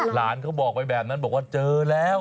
หลานเขาบอกไปแบบนั้นบอกว่าเจอแล้ว